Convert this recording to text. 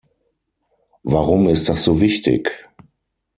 Warum ist das so wichtig?